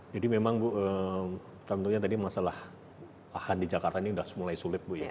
memang bu tentunya tadi masalah lahan di jakarta ini sudah mulai sulit bu ya